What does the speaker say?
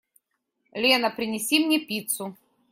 Лена, принеси мне пиццу.